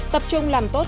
tập trung làm tốt